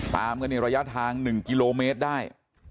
ตามกันในระยะทาง๑กิโลเมตรได้